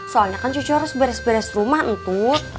soalnya kan cucu harus beres beres rumah untuk